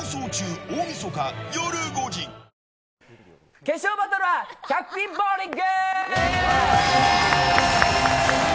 決勝バトルは１００ピンボウリング。